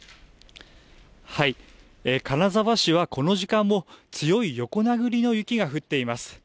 金沢市はこの時間も強い横殴りの雪が降っています。